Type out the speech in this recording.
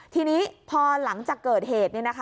ทีนี้พอหลังจากเกิดเหตุ